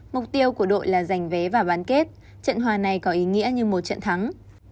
mục tiêu của đội là giành vé vào bán kết trận hòa này có ý nghĩa như một trận thắng